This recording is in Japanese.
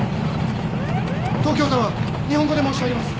東京タワー日本語で申し上げます。